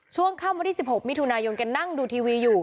ช่วงค่ำวันที่๑๖มิถุนายนแกนั่งดูทีวีอยู่